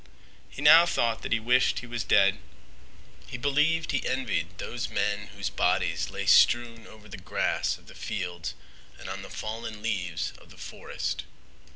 He now thought that he wished he was dead. He believed he envied those men whose bodies lay strewn over the grass of the fields and on the fallen leaves of the forest.